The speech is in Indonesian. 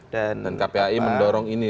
dan kpai mendorong ini